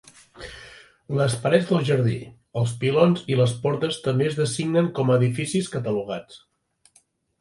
Les parets del jardí, els pilons i les portes també es designen com a edificis catalogats.